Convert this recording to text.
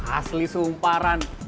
asli sumpah ran